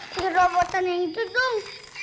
dua botol yang itu dong